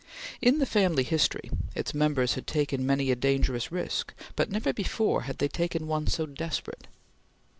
In the family history, its members had taken many a dangerous risk, but never before had they taken one so desperate.